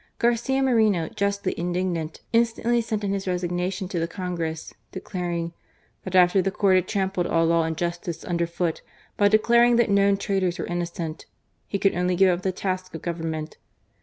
Garcia Moreno, justly indignant, instantly sent in his resignation to the Congress, declaring that after the court had trampled all law and justice under foot by declaring that known traitors were innocent," he could only give up the task of government.